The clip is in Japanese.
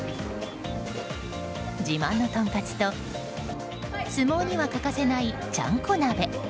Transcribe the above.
自慢のとんかつと相撲には欠かせないちゃんこ鍋。